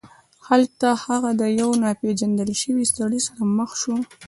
هلته هغه له یو ناپيژندل شوي سړي سره مخ شو.